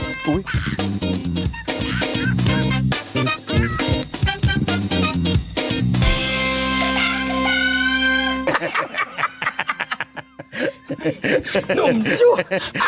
หนุ่มชุด